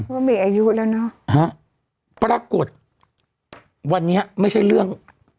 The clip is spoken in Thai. ว่ามีอายุแล้วเนอะฮะปรากฏวันนี้ไม่ใช่เรื่อง